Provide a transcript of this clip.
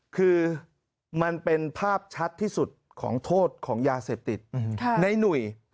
คือมันเป็นภาพชัดที่สุดของโทษของยาเสพติดในหนุ่ย